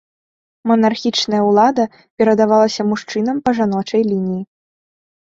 Манархічная ўлада перадавалася мужчынам па жаночай лініі.